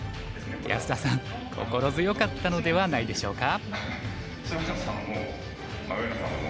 安田さん心強かったのではないでしょうか？